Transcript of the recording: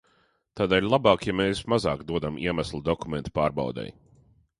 Tādēļ labāk, ja mēs mazāk dodam iemeslu dokumentu pārbaudei.